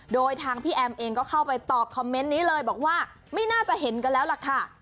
โดยทางพี่แอมเองก็เข้าไปตอบคอมเมนต์นี้เลยบอกว่าไม่น่าจะเห็นกันแล้วล่ะค่ะ